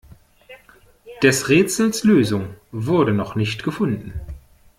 Des Rätsels Lösung wurde noch nicht gefunden.